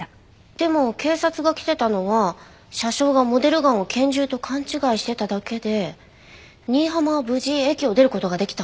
でも警察が来てたのは車掌がモデルガンを拳銃と勘違いしてただけで新浜は無事駅を出る事ができた。